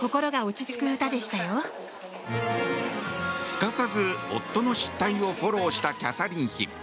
すかさず夫の失態をフォローしたキャサリン妃。